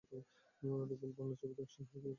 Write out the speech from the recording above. রুবেল বাংলা ছবিতে action hero হিসেবে বেশি পরিচিত।